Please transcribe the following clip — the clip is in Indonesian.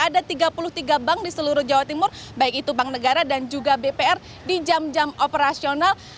ada tiga puluh tiga bank di seluruh jawa timur baik itu bank negara dan juga bpr di jam jam operasional